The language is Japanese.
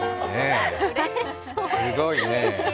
すごいね。